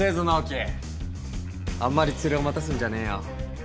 あんまりツレを待たすんじゃねえよ。